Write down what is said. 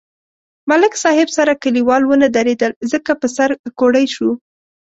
ملک صاحب سره کلیوال و نه درېدل ځکه په سر کوړئ شو.